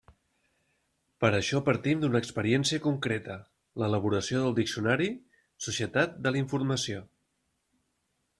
Per a això partim d'una experiència concreta: l'elaboració del diccionari Societat de la informació.